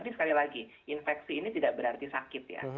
tapi sekali lagi infeksi ini tidak berarti sakit ya